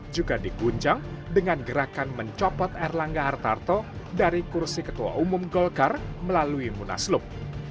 juga diguncang dengan gerakan mencopot erlangga hartarto dari kursi ketua umum golkar melalui munaslup